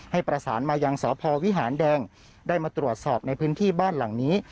ให้ประสานมายังสพวิหารแดงได้มาตรวจสอบในพื้นที่บ้านหลังนี้